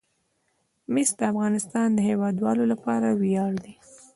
مس د افغانستان د هیوادوالو لپاره ویاړ دی.